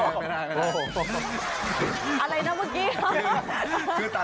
ครับคุณ